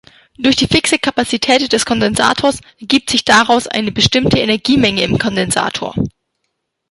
Durch die fixe Kapazität des Kondensators ergibt sich daraus eine bestimmte Energiemenge im Kondensator.